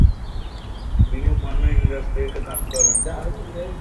তিনিও পর্নো ইন্ডাস্ট্রিতে কাজ করেন।